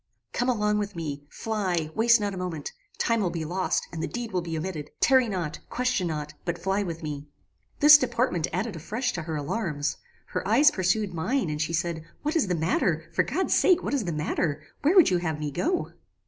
"Come along with me: fly: waste not a moment: time will be lost, and the deed will be omitted. Tarry not; question not; but fly with me! "This deportment added afresh to her alarms. Her eyes pursued mine, and she said, "What is the matter? For God's sake what is the matter? Where would you have me go?"